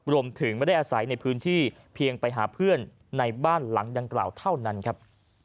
ไม่ได้อาศัยในพื้นที่เพียงไปหาเพื่อนในบ้านหลังดังกล่าวเท่านั้นครับ